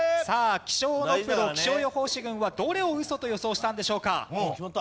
さあ気象のプロ気象予報士軍はどれをウソと予想したんでしょうか？